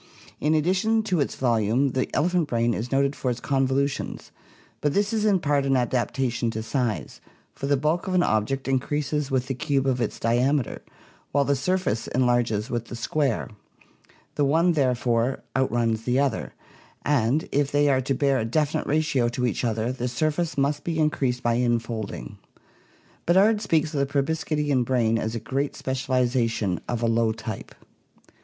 In ad dition to its volume the elephant brain is noted for its convolu tions but this is in part an adaptation to size, for the bulk of an object increases with the cube of its diameter, while the surface enlarges with the square; the one therefore outruns the other, and if they are to bear a definite ratio to each other the surface must be increased by infolding. Beddard speaks of the proboscidean brain as a great specialization of a low type.